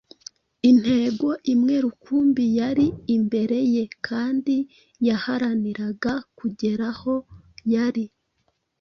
intego imwe rukumbi yari imbere ye kandi yaharaniraga kugeraho yari “